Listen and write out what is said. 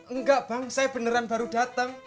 enggak bang saya beneran baru datang